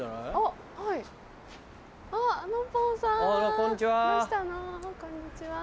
こんにちは。